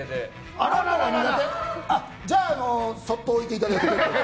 あらららじゃあそっと置いていただいて。